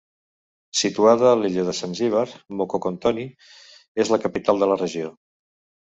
Situada a l'illa de Zanzíbar, Mkokotoni és la capital de la regió.